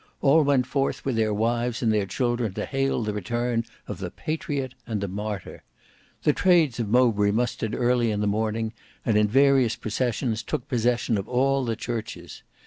All went forth with their wives and their children to hail the return of the patriot and the martyr. The Trades of Mowbray mustered early in the morning, and in various processions took possession of all the churches.